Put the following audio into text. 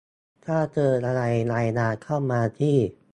ถ้าเจออะไรรายงานเข้ามาที่